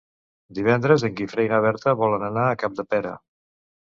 Divendres en Guifré i na Berta volen anar a Capdepera.